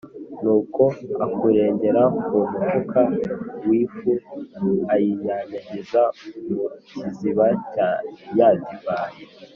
nuko akurengera ku mufuka w’ifu ayinyanyagiza mu kiziba cya ya divayi.